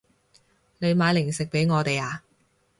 你買零食畀我哋啊